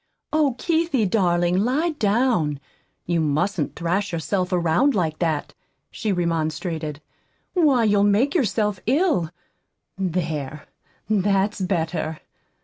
"Oh, Keithie, darling, lie down! You mustn't thrash yourself around like that," she remonstrated. "Why, you'll make yourself ill. There, that's better.